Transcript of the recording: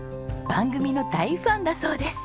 番組の大ファンだそうです。